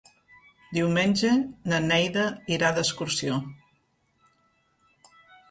Diumenge na Neida irà d'excursió.